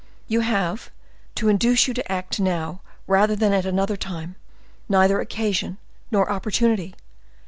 You have, to induce you to act now rather than at another time, neither occasion nor opportunity.